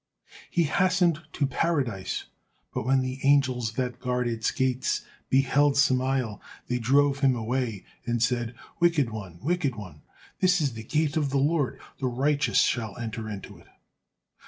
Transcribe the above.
He hastened to Paradise, but when the angels that guard its gates beheld Samael, they drove him away and said, "Wicked one! Wicked one! 'This is the gate of the Lord; the righteous shall enter into it.'"